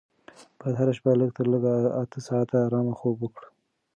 باید هره شپه لږ تر لږه اته ساعته ارامه خوب وکړو.